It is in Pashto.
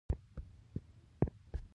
وحيدالله اميري ئې هم زده کوي.